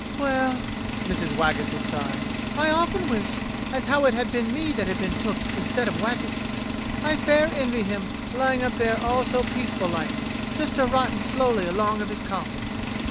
"Well," Mrs. Waggets would sigh, "I often wish as how it had been me that had been took instead of Waggetts. I fair envy him lying up there all so peace ful like, just a rottin' slowly along of his coflfin."